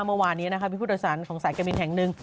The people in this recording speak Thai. เมื่อวานี้พี่ผู้โดยสารของสายกรรมินแถงหนึ่ง